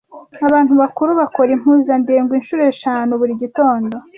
abantu bakuru bakora impuzandengo inshuro eshanu buri gitondo